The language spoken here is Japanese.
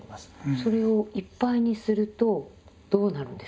それをいっぱいにするとどうなるんですか？